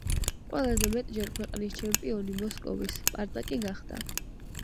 ყველაზე მეტჯერ ქვეყნის ჩემპიონი მოსკოვის „სპარტაკი“ გახდა.